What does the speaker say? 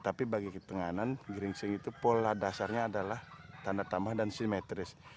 tapi bagi tenganan geringsing itu pola dasarnya adalah tanda tambahan dan simetris